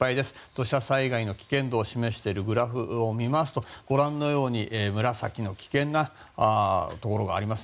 土砂災害の危険度を示しているグラフを見ますとご覧のように紫の危険なところがあります。